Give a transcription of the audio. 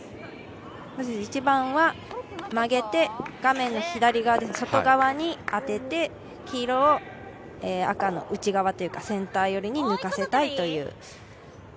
一番は曲げて画面の左側、外側に当てて黄色を赤の内側というか、センター寄りに抜かせたいという。